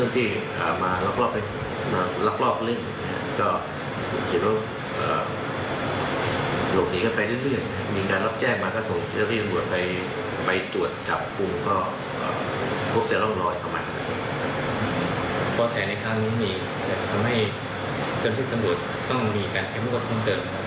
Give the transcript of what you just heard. ที่ตำรวจต้องมีการพังกับภูมิเติบ